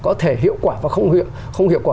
có thể hiệu quả và không hiệu quả